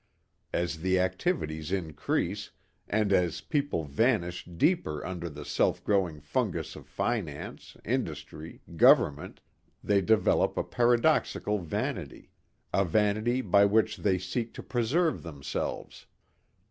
As the activities increase and as people vanish deeper under the self growing fungus of finance, industry, government, they develop a paradoxical vanity. A vanity by which they seek to preserve themselves.